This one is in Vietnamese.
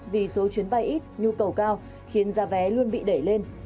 vì số chuyến bay ít nhu cầu cao khiến giá vé luôn bị đẩy lên